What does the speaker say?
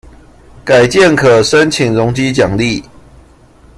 改建可申請容積獎勵